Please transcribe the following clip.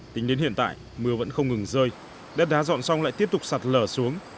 tính đến hiện tại mưa vẫn không ngừng rơi đất đá dọn xong lại tiếp tục sạt lở xuống